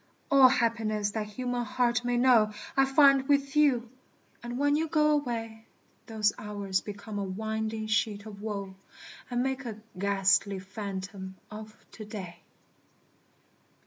All happiness that human heart may know I find with you; and when you go away, Those hours become a winding sheet of woe, And make a ghastly phantom of To day.